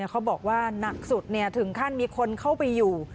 เขาบอกว่าหนักสุดถึงขั้นมีคนเข้าไปอยู่